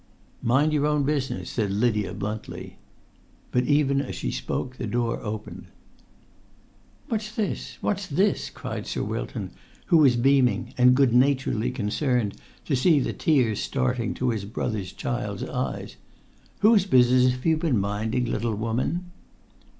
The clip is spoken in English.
"Mind your own business," said Lydia, bluntly. But even as she spoke the door opened. "What's this? What's this?" cried Sir Wilton,[Pg 130] who was beaming, and good naturedly concerned to see the tears starting to his brother's child's eyes. "Whose business have you been minding, little woman?"